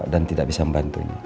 dan tidak bisa membantunya